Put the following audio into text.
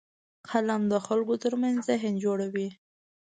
قلم د خلکو ترمنځ ذهن جوړوي